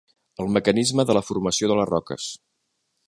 El mecanisme de la formació de les roques.